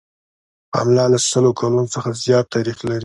پملا له سلو کلونو څخه زیات تاریخ لري.